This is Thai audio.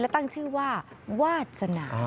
และตั้งชื่อว่าวาสนา